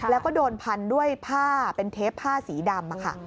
แล้วก็โดนพันด้วยผ้าเป็นเทปผ้าสีดำค่ะ